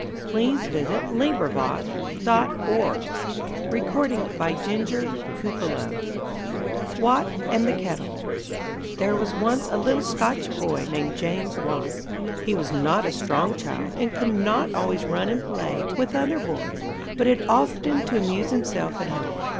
[Illustration: NELSON ON THE "VICTORY" AT TRAFALGAR] =Watt and the Kettle= There was once a little Scotch boy named James Watt. He was not a strong child, and could not always run and play with other boys, but had often to amuse himself at home.